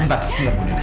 aku mengejar aida